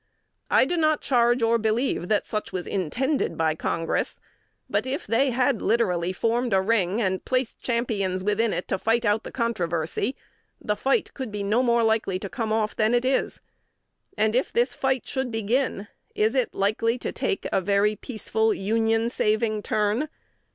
I do not charge or believe that such was intended by Congress; but if they had literally formed a ring, and placed champions within it to fight out the controversy, the fight could be no more likely to come off than it is. And, if this fight should begin, is it likely to take a very peaceful, Union saving turn?